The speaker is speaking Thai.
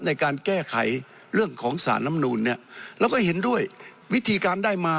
ในการแก้ไขเรื่องของสารลำนูนเนี่ยเราก็เห็นด้วยวิธีการได้มา